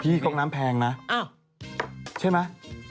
พี่ก๊อกน้ำแพงนะใช่ไหมอ้าว